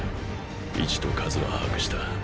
位置と数は把握した。